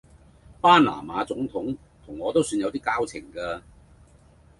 巴拿馬總統同我都算有啲交情㗎